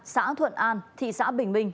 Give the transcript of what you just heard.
xã thuận an thị xã bình minh